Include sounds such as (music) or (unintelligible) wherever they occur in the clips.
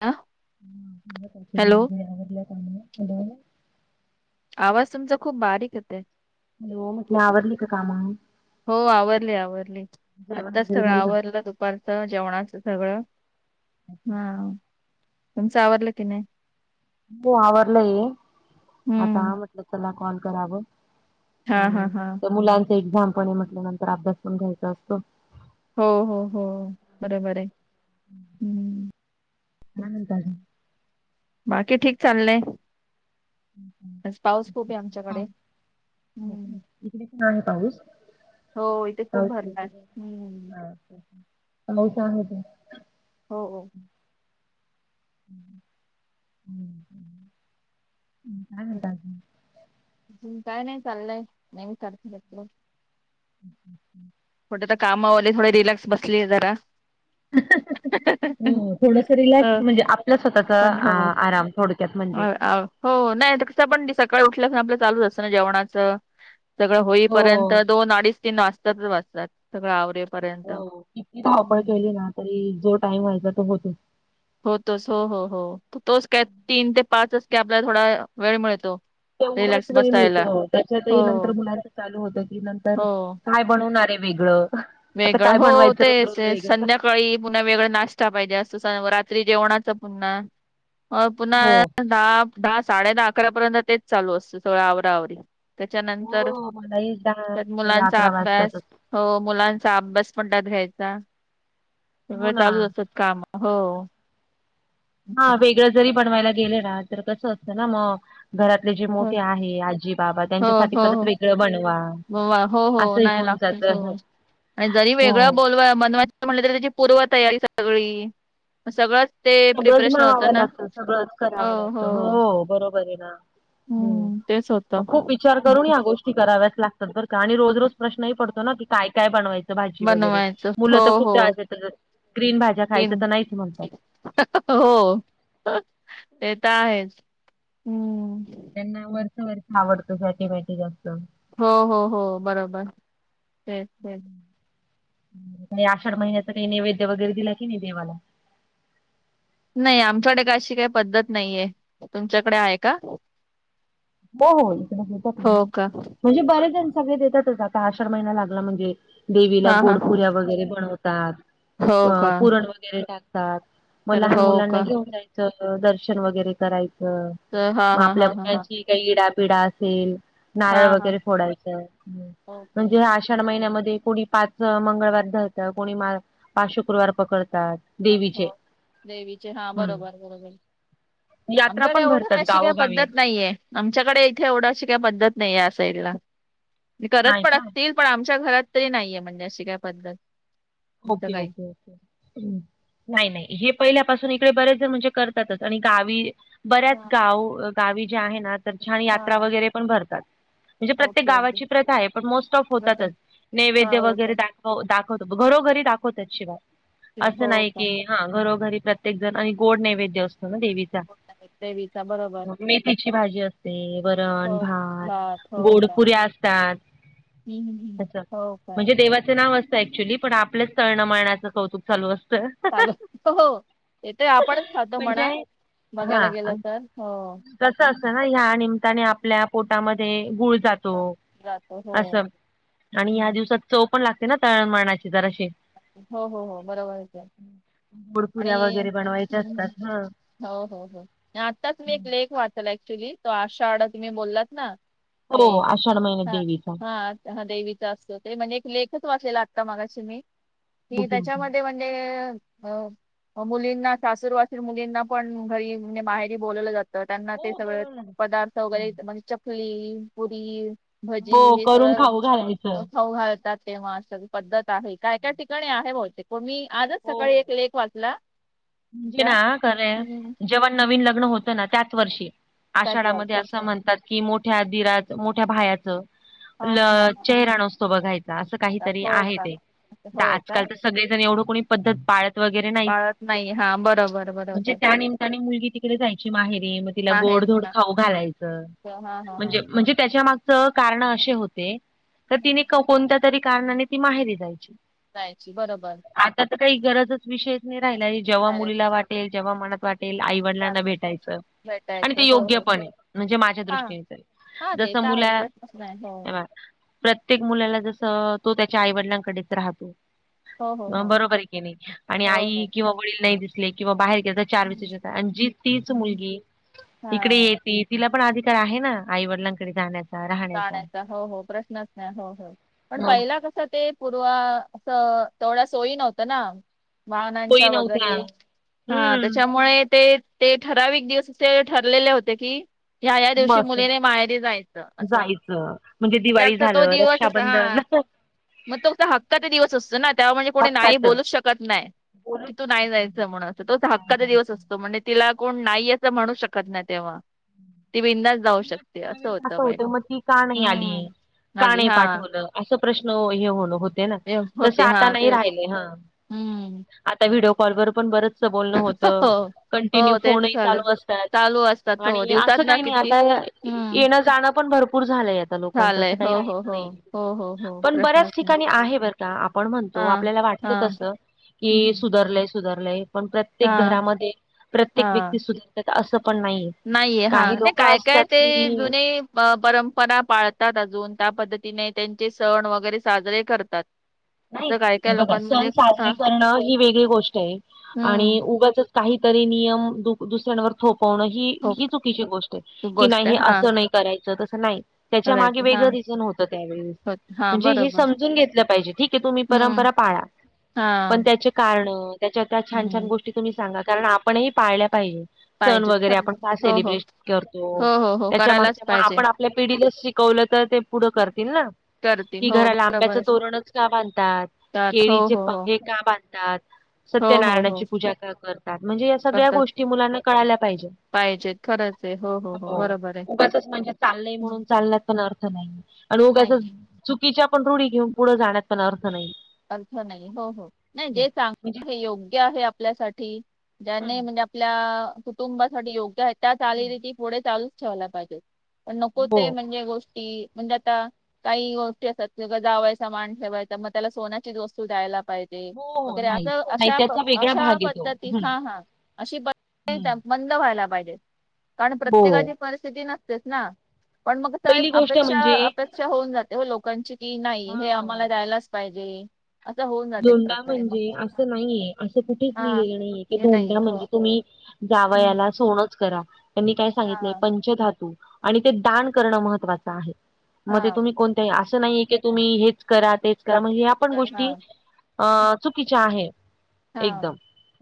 आ... hello (unintelligible) आवाज तुमचा खूप बारीक येतय. हॅलो. म्हटली आवरली का काम? हो आवरली आवरली, जेवण आत्ताच वगैरे सगळं झालं आवरलं तु.. दुपारच जेवणाच सगळं हा तुमचं आवरलं की नाही. तू आवरलंय! हम्म आता म्हटलं तुला कॉल करावं. हा हा अंम.. हा तर मुलाची एक्झाम पण आए म्हटल्यानंतर अभ्यास पण घ्यायचा असतो. हं हं हं... बरोबर आहे. हम्म तेच. काय म्हणता अजून.. बाकी ठीक चाललंय.. आज पाऊस खूपहे हो आमच्याकडे का? हम्... इकडे पण आहे पाऊस. हो इथे खूप पाऊस भरलाय. हम्म (unintelligible) मऊ छान होते. हो हो.. हम्् हम् हम्.. काय तेच. म्हणता अजून.. काय नाही चाललंय, नेहमी सारख आपल. हं हं (unintelligible) कुठ तर, कामवाली थोडी रिलॅक्स बसलीये जरा. (unintelligible) हम्म्म.. थोडस अ रिलॅक्स म्हणजे, आपल्या स्वतःचा पण हो आ आराम थोडक्यात अ म्हणजे.. आ हो नाही तर पण सकाळी उठल्या आपलं चालूच असतं ना जेवणाचं. सगळं होईपर्यंत हो दोन अडीच तीन वाजताच वाजतात सगळं आवरेपर्यंत. हो किती धावपळ हम्म. केली ना तरी जो टाईम व्हायचा तो होतो (unintelligible) होतोच हो हो हो तोच काय तीन ते पाचच काय आपल्याला थोडा वेळ मिळतो. तेवढाच रिलॅक्स वेळ बसायला. मिळतो हो, त्याच्यातही नंतर मुलांचं चालू होत की नंतर हो. काय बनवणार आहे वेगळं? आता वेगळं काय हो बनवायचं रोज तेच रोज तेच वेगळं संध्याकाळी पुन्हा वेगळ नाश्ता पाहिजे अस स रात्री जेवणाच पुन्हा हो पुन्हा दहा दहा साडे दहा अकरापर्यंत तेच चालू असत सोळा अवरा अवरी त्याच्यानंतर हो मलाही त्यात दहा मुलांचा अकरा वाजतातच अभ्यास हो मुलांचा अभ्यास पण त्यात घ्यायचा हो सगळं ना चालू असत काम हो. हा हो वेगळं जरी बनवायला गेले ना तर कसं असतं ना मग घरातले जे हो मोठे आहे आजी बाबा त्यांच्यासाठी हो परत वेगळं बनवा. हो हो असंही नाही होऊन लागत जात स आणि जरी हो वेगळं बोलवा बनवाय म्हटलं तर त्याची पूर्व तयारी सगळी मग सगळंच ते सगळंच प्रिपरेशन होतं बनवावं ना लागतं सगळंच करावं लागतं हो बरोबर आहे ना. हम्म तेच मग होतं खूप विचार करून या गोष् ति कराव्याच लागतात बर का आणि रोज रोज प्रश्नही पडतो ना की काय काय बनवायचं भाजी वगैरे बनवायचं मुलं हो तर खूप हो त्रास देतात ग्रीन भाज्या तीन खायचं तर नाहीच म्हणतात. हो ते तर आहेच हम्म. त्यांना वरचं वरचं आवडतं फॅटी फॅटी जास्त हो हो हो बरोबर तेच तेच. तुम्ही आषाढ महिन्याचा काही नैवेद्य वगैरे दिला की नाही देवाला? नाही आमच्याकडे का अशी काही पद्धत नाहीये तुमच्याकडे आहे का? हो हो इकडे देतात ना मग. हो का? म्हणजे बरे जण सगळे देतातच आता आषाढ महिना लागला म्हणजे. देवीला हा हा. गोडपुऱ्या वगैरे बनवतात हो अ का? पुरण वगैरे टाक टाट मग तर लहान हो मुलांना का? घेऊन जायचं दर्शन वगैरे करायचं तर हा मग हा आपल्या हा हा हा. मुलाची काही इडापिडा असेल हा नारळ हा. वगैरे फोडायच ओके. म्हणजे या अश आषाढ महिन्यामध्ये कोणी पाच मंगळवार धरत कोणी माळ पाच शुक्रवार पकडतात. देवीचे. देवीचे हा हम्म बरोबर बरोबर. यात्रा आमच्याकडे पण एवढं भरतात अशी काही गावोगावी पद्धत नाहीये. आमच्याकडे इथे एवढा अशी काही पद्धत नाही आहे, या साईड ला मी करत नाही पण का? असतील. पण आमच्या घरात तरी नाहीये म्हणजे अशी काय पद्धत. असं ओके काही. ओके. नाही नाही हे पहिल्यापासून इकडे बरेच जण म्हणजे करतातच आणि गावी बऱ्याच हा गाव गावी ज्या आहे ना, तर छान यात्रा हा. वगैरे पण भरतात. म्हणजे प्रत्येक ओके ओके. गावाची प्रथा आहे पण मोस्ट ऑफ व्रतं होतातच हा नैवेद्य हो वगैरे का? हो दाखवतो घरोघरी दाखवतात शिवाय ते- असं हो नाही का? की हा घरोघरी प्रत्येक जण आणि गोड नैवेद्य असतो ना देवीचा. देवीचा बरोबर. मग मेथीची भाजी असते वरण हो. भात हो का? गोडपुऱ्या असता हम्म, हं. हं. तात अस हो काय? म्हणजे देवाचं नाव अस कसाय अॅक्च्युली पण आपलेच तळणंमळण्याचं कौतुक चालू असतं. चालू हो तेथे आपणच खातो म्हणा. बघायला हा गेलं तर हो. कसं असतना ह्या निमित्ताने आपल्या पोटामध्ये गुळ जात तो हां, जातो. हो. असं आणि या हं. दिवसात चव पण लागते. ना तळण मळणाची जराशी. हो हो हो बरोबर ये की. गोडपुऱ्या आणि वगैरे बनवायच्या असतात हा हो हो हो आत्ताच मी एक लेख वाच चला ऍक्च्युली तो आषाढ तुम्ही बोलात ना. हे हो आषाढ महिन्यात हां, देवीच. हां, देवीचा असतो. ते म्हणजे एक लेखच वाचलेला आत्ता मागाशी मी की ओके ओके त्याच्यामध्ये. म्ह हो. मुलींना सासूरवासीन मुलींना पण घरी म्हणजे माहेरी बोलवलं जात. तर त्यांना ते हो सगळं बोलवलं ना पदार्थ हो वगैरे म्हणजे चकली पुरी. भजी हो, हे करून सगळं खाऊ घालायचं खाऊ घालतात. तेव्हा अशी पद्धत आहे. काय काय ठिकाणी आहे बहुतेक मी आजच हो सकाळी हो एक लेख वाचला. म्हणजे त्याचा ना खरं हम्म, जेवण नवीन लग्न होतं ना त्याचं वर्षी. आषाढामध्ये त्याचवरती असं म्हणतात की, मोठ्या दिराच मोठ्या भायाचं. ल हा हा हा हा चेहरा नसतो बघायचा, असं अच्छा, काहीतरी हो आहे का ते. अच्छा, आ हो काय आजकाल तर सगळेजण एवढं कोणी पद्धत पाळत वगैरे नाहीत. पाळत नाही हा बरोबर. म्हणजे बरोबर त्या‌ निमित्तानी मुलगी तिकडे जायची माहेरी. मग तिला माहेर गोडधोड हा खाऊ घालायचं. हा हा हा म्हणजे म्हणजे त्यांच्या माग च कारण असे होते. तर हम्म, तिने कोणत्या तरी कारणाने ती माहेरी जायची. जायची बरोबर. आता तर काही गरजच विषयच नाही राहिला. जेव्हा माहेराला मुलीला वाटेल जेव्हा मनात वाटे ते जात आईवडिलांना भेटायचं. आणि भेटायचं ते हो योग्य हो हो पण ये. म्हणजे माझ्या हा दृष्टीने तरी हा ते जसं तर मुला आहेच प्रश्नच नाही हो प्रत्येक मुलाला जसं तो त्याच्या आईवडिलांकडेच राहतो. हो हो हो बरोबर आहे कणी. आणि हो हो आई किंवा वडील नाही दिसले किंवा बाहेर गेले. हम्म (unintelligible) आणि जी तीच हम्म. मुलगी इकडे हा येेती. तिला पण अधिकार आहे ना आईवडिलांकडे जाण्याचा. राहण्याचा गाण्याचा हो हो प्रश्नच नाही. हो हो पण मग पहिला कस ते. पूर्वा असं तेवढ्या सोयी नव्हत्या ना. सोयी भावनांच्या नव्हत्या. वगैरे हां हम्म त्यांच्यामुळे ते. ते ‌ठराविक दिवस असे ठरलेले होते. की ह्या ह्या दिवशी मस्त मुलीने माहेरी जायचं. असं जायचं म्हणजे मग दिवाळी त्याचा तो झालं दिवस असं रक्षाबंधन हा. मग तो हक्काचा दिवस असतो ना, तेव्हा म्हणजे कोणी नाही हक्काच बोलूच शकत नाय. बोलूच कि तू शकत नाही जायचं म्हणून, असं तो नाही हक्काचं दिवस. जायचं तोच असतो. म्हणजे तिला कोण नाही असं म्हणू शकत नाही तेव्हा. ती बिंदास जाऊ शकते असं त्यावेळेस होतं पहिला. मग ती का नाही आली. का नाही पाठवलं असं प्रश्न हे होते ना, एव- तसं होते हा आता नाही तेच राहिले ह. हम्म. आता व्हिडिओ कॉलवर पण बरंच बोलणं हो होतं. कंटिन्यू हो तेच फोनही झालं चालू असतात. चालू असतात. हो आणि दिवसात असं ना काही नाही. किती आता हम्म येणं जाणं पण भरपूर झालंय. आता लोकांचं झालंय असं काही हो राहिल हो हो नाही. हो हो हो पण बऱ्याच प्रश्नच नाही ठिकाणी आहे. बर का आपण हा म्हणतो आपल्याला वाटत हा तस की सु हम्म. सुधरलंय सुधरलंय पण प्रत्येक हा घरामध्ये प्रत्येक हा व्यक्ती सुधरतात असं पण नाहीये. नाहीये हा नाही काय काय ते जुने. अ परंपरा पाळतात. अजून त्या पद्धतीने त्यांचे सण वगैरे साजरे करतात. नाही असं काय हे काय बघा सण लोकांमध्ये हा साजरे करणं, ही वेगळी गोष्ट आहे हम्म आणि उगाचंच. काहीतरी नियम दुसऱ्यांवर थोपवणं ही, हो ही चुकीची गोष्ट आहे ती की गोष्ट नाही हे हा असं नाही. करायचं तसं नाही. तेच्या मागे करायचं हा वेगळं रिझन होतं. त्यावेळी हो हा म्हणजे हे बरोबर समजून घेतलं पाहिजे ठीक. की तुम्ही हम्म परंपरा पाळा. हा पण त्यांचे कारण त्यांच्या छान छान हम्म गोष्टी. शेवटी तुम्ही सांगा कारण आपणही पाळल्या पाहिजे. सण पाहिजेत वगैरे खरंच आपण का हो हो सेलिब्रेशन करतो. हो हो हो त्यांच्या करायलाच मागच्या पाहिजे आपण आपल्या पिढीला शिक शिकवल तर ते पुढं करतील ना, करतील की हो घराला आंब्याच बरोबर तोरणचं. का बांधतात. त्यात हो केळीचे हो हो पाने का बांधतात. हो हो हो सत्यनारायणाची पूजा का करतात. म्हणजे या सगळ्या करतात गोष्टी मुलांना कळाल्या पाहिजेत. पाहिजेत खरंच आहे हो बरोबर आहे उगाचच म्हणजे चालंय म्हणून हम्म, चालण्या पण अर्थ नाही. आणि नाही उगाचच चुकीच्या पण रूढी घेऊन पुढे जाण्यात पण अर्थ नाही. अर्थ नाही हो हो नाही जे म्हणजे चांगल आहे योग्य आहे. आपल्यासाठी हम्म ज्याने म्हणजे, आपल्या कुटुंबासाठी योग्य आहे. त्या हम्म. चालीरीती पुढे चालूच ठेवायला पाहिजेत. पण नको हो ते म्हणजे गोष्ट. म्हणजे आता काही गोष्टी असतात. जावायचा मान ठेवायचा मग त्याला, सोन्याचीच वस्तू द्यायला पाहि जे हो हो वगैरे अस नाही अश नाही त्याचा वेगळा अशा भाग येतो पद्धती हम्म हा हा अशी हम्म. पद्धत. बंद व्हायला पाहिजे. कारण हो प्रत्येकाची परिस्थिती नसतेच ना. पण मग कस पहिली गोष्ट अपेक्षा म्हणजे अपे अपेक्षा होऊन जाते. हो लोकांची कि नाही हे हा आम्हाला द्यायलाच पाहिजे. असं होऊन जाते एक प्रकारे मग. ते नाहीेये. असं कुठेच हा लिहिलेलं नाहीये. की हे नाही धोंड्या हो. मध्ये तुम्ही हं. जावयाला सोनंच करा. त्यांनी काय सांगितलंय हा पंचधातू आणि ते दान करणं महत्त्वाचं आहे. मग ते हा. तुम्ही कोण असं नाहीे की तुम्ही हेच करा, तेच करा प्राप्ती म्हणजे ह्या पण पुरस्कार. हा गोष्टी. अं चुकीच्या आहे. हा. एकदम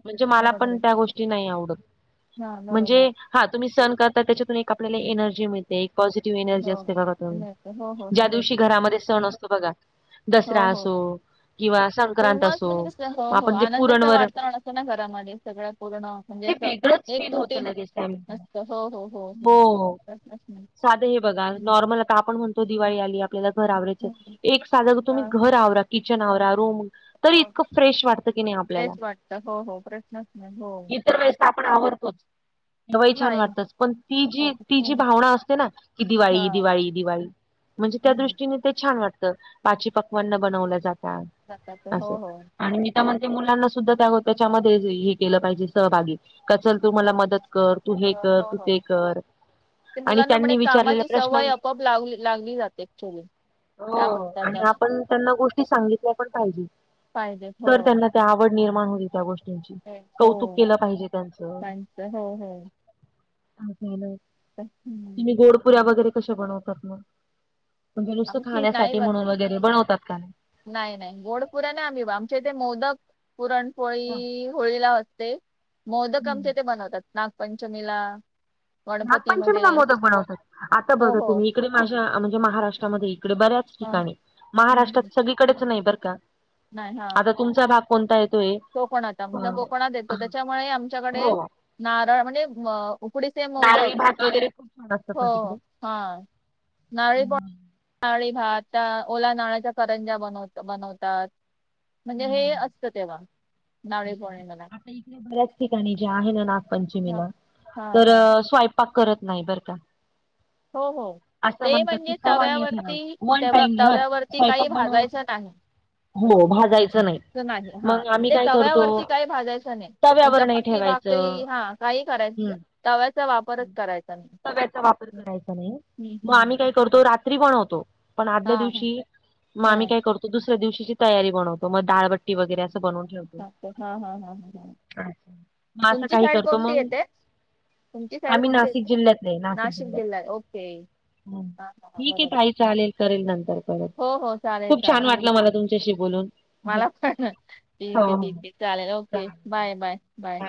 म्हणजे मला बरोबर पण आहे. त्या गोष्टी नाही आवडत. हा बरोबर. म्हणजे हा तुम्ही सण करता तेच्यातुन एक. आपल्याला हं. एनर्जी मिळते. एक पॉजिटीव्ह एनर्जी हो. असते बघा तुम्ही मिळते. हो हो हो. ज्यादिवशी. घरामध्ये सण असतो बघा दसरा हो हो. असो. किंवा संक्रांत तेव्हाच असो, म्हणजे कसं हो हो आपण जे आनंदाचं पुरणवर वातावरण असतं ना घरामध्ये सगळं पूर्ण म्हणजे ते असं वेगळंच फील होतं एकजुटीन लगेच त्यावेळेला असतं. हो हो हो. तसंच ना. साध हे बघा. हं. नॉर्मल आता आपण म्हणतो हं. दिवाळी आली. आपल्याला घर आवरायचं हं. एक साधं तुम्ही हां. घर आवरा किचन आवरा रूम. तरी हो इतकं फ्रेश वाटतं की नाही आपल्याला. फ्रेश वाटत, हो हो प्रश्नच नाही हो. त्या वेळेस आपण आवरतोच. तेव्हा ही छान नाही वाटतंच. पण ती जी अग- ती जी हं, भावना असते ना, की हा दिवाळी दिवाळी दिवाळी. म्हणजे त्या हम्म. दृष्टीने ते छान वाटतं. पाची पकवान बनवल्या जातात. जातात ते हो असं हो. आणि मी तर म्हणते, मुलांना सुद्धा त्या तेच्यामध्ये हे केलं पाहिजे सहभागी. का चल तू मला मदत कर, तू हे तर कर हो तू हो ते कर. ते आणि मुलांना म्हणे त्यांनी विचारलेल्या कामाची प्रश्नां सवय आपोआप लागली जाते एक्च्युली. हो आणि आपण त्यांना गोष्टी सांगितल्या पण. पाहिजे पाहिजे हो तर त्यांना त्या आवड निर्माण होईल त्या गोष्टी. गोष्टीची हो कौतुक केलं पाहिजे त्यांच. त्यांचं हो हो हम्. तुम्ही गोडपुऱ्या वगैरे कशा बनवतात मग. म्हणजे नुसतं आम्ही खीर नाही खाण्यासाठी म्हणून बनवत वगैरे बनवतात का नाही. नाही नाही गोड पुुऱ्या नाही. आम्ही आमच्या इथे मोदक पुरणपोळी होळीला. ते मोदक हम्म आमच्या इथं बनवतात नागपंचमीला. नागपंचमीला गणपतीमध्ये मोदक बनवतात. आता हो बघा हो तुम्ही इकडे माझ्या म्हणजे हा महाराष्ट्रामध्ये इकडे बऱ्याच. हम्म. ठिकाणी हम्म. महाराष्ट्रात सगळीकडेच नाही बरं का. नाही हा. आता तुमचा भाग. कोणता येतोय. कोकणात आमचा कोकणात अ येतो. तेच्यामुळे आमच्याकडे हो नारळ म्हणजे, उकडीचे मोदक नारळी भात वगैरे खूप छान असतात हो ना तिकडे हा नारळी. नारळी भात ओला नारळ्याचा करंज्या बनवत बनवतात. म्हणजे हे हम्म. असतं तेव्हा नारळीपौर्णिमेला. इथे बऱ्याच ठिकाणी जे आहे. ना नागपंचमी हा हा तर हा स्वयं पाक करत नाही बरं का. हो हो. असं ते म्हणतात की म्हणजे तवा नाही तव्यावरती ठेवायचा वन टाइम नाही तव्यावरती काही स्वयंपाक बनवायचा भाजायचं नाही. हो भाजायचं असं नाही हा मग आम्ही म्हणजे काय तव्या करतो तव्यावरती काही भाजायचं नाही. तव्यावर नाही चपाती ठेवायचं भाकरी हा काही करायचं. हम्म तव्याचा वापरच करायचा नाही तर. तव्याचा वापर करायचा नाही मग आम्ही काय करतो. रात्री बनवतो पण आदल्या हा हा दिवशी मग हा आम्ही काय करतो. त दुसऱ्या दिवशीची तयारी बनवतो. मग दाळबट्टी वगैरे अस बनवून ठेवतो. हां हा हा हां. अच्छा. मग असं काही करतो मगं. येते तुमची साईड आम्ही कोणती नाशिक येते जिल्ह्यातले नाशिक जिल्ह्यात. जिल्हा ओके ह हा हा हा. ठीक आहे. बरोबर ताई चालेल करेल नंतर, परत हो हो चालेल खूप छान चालेल वाटलं मला तुमच. तुमच्याशी बोलून. मला पण हो ठीक आहे. हो. ठीक आहे चालेल ओके चालेल. Bye bye bye.